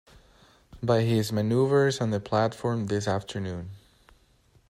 By his manoeuvres on the platform this afternoon.